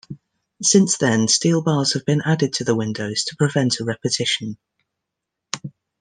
Since then steel bars have been added to the windows to prevent a repetition.